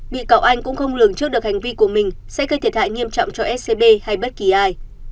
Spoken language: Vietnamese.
bị cáo anh cũng không lường trước được hành vi của mình sẽ gây thiệt hại nghiêm trọng cho scb hay bất kỳ ai